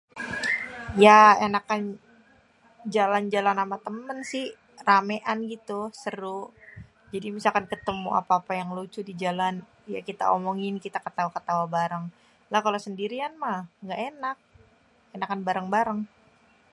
Ya enakan jalan-jalan ame temen si, ramean gitu seru jadi misalkan ketemu apa-apa yang lucu di jalan, gitu kita omongin kita ketawain, ketawa bareng, nah kalo sendirian mah gak enak, enakan bareng-bareng.